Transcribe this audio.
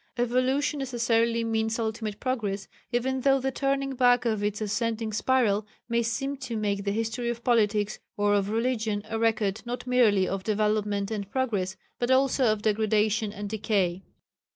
Evolution necessarily means ultimate progress, even though the turning back of its ascending spiral may seem to make the history of politics or of religion a record not merely of development and progress but also of degradation and decay.